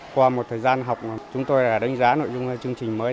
qua một thời gian học chúng tôi đã đánh giá nội dung chương trình mới